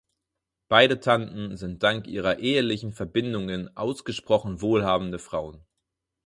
Beide Tanten sind dank ihrer ehelichen Verbindungen ausgesprochen wohlhabende Frauen.